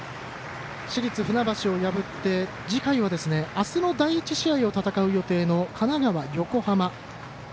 市立船橋を破って次回は、明日の第１試合を戦う予定の神奈川、横浜。